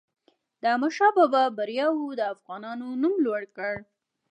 د احمدشاه بابا بریاوو د افغانانو نوم لوړ کړ.